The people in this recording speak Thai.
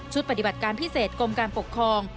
ปฏิบัติการพิเศษกรมการปกครอง